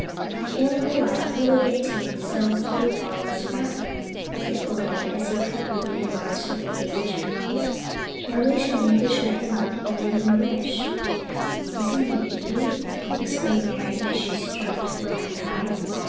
"In a little while he will get tame so he will follow us around," said Ole, as he cut the wooden bars for the cage. "Then we shall need to shut him up only when we wish." "Isn't he a beauty," exclaimed Mari, as she stroked the magpie.